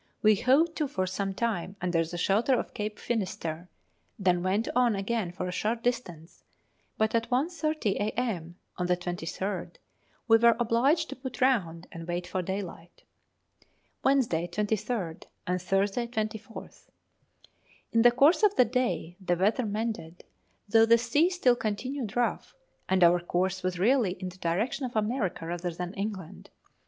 We hove to for some time under the shelter of Cape Finisterre, then went on again for a short distance; but at 1.30 a.m. on the 23rd we were obliged to put round and wait for daylight. Wednesday, 23rd, and Thursday, 24th. In the course of the day the weather mended, though the sea still continued rough, and our course was really in the direction of America rather than England.